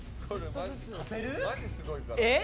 「えっ？」